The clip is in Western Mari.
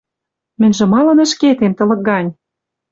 Мӹньжӹ малын ӹшкетем, тылык гань?